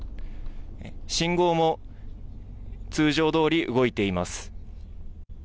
信号も通常どおり動いています。